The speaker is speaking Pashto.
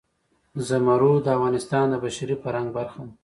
زمرد د افغانستان د بشري فرهنګ برخه ده.